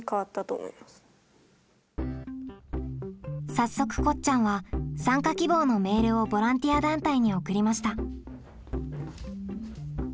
早速こっちゃんは参加希望のメールをボランティア団体に送りました。